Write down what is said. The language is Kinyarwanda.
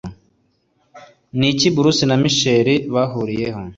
Niki Bruce Willis na Micheal Bose Bahuriyeho